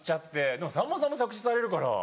でもさんまさんも作詞されるから。